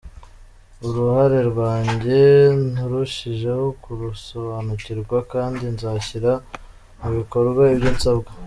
Uruhare rwanjye narushijeho kurusobanukirwa, kandi nzashyira mu bikorwa ibyo nsabwa."